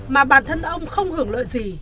mà bản thân ông không hưởng lợi gì